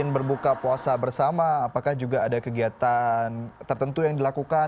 berbuka puasa bersama apakah juga ada kegiatan tertentu yang dilakukan